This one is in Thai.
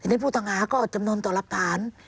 ทีนี้ผู้ต่างาก็จำนวนต่อรับตรา